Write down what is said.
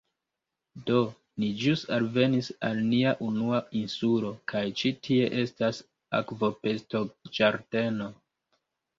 Do, ni ĵus alvenis al nia unua insulo kaj ĉi tie estas akvobestoĝardeno